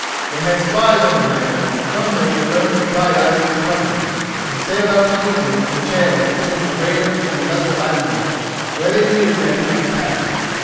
They had spies on the land, and from them they learned of Brighteyes' coming, and sailed out to meet him in the channel between the greater and the lesser islands, where they knew that he must pass.